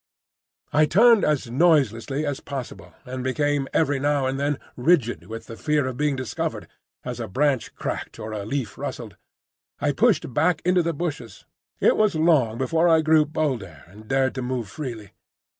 I turned as noiselessly as possible, and becoming every now and then rigid with the fear of being discovered, as a branch cracked or a leaf rustled, I pushed back into the bushes. It was long before I grew bolder, and dared to move freely.